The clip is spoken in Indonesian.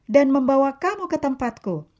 dan membawa kamu ke tempatku